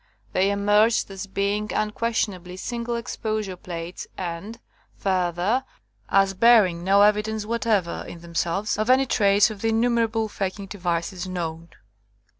They emerged as being unquestionably single exposure plates and, further, as bearing no evidence whatever in themselves of any trace of the innumerable faking devices known.